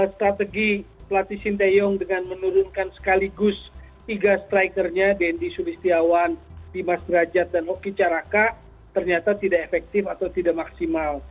strategi pelatih sinteyong dengan menurunkan sekaligus tiga strikernya dendi sulistiawan dimas derajat dan hoki caraka ternyata tidak efektif atau tidak maksimal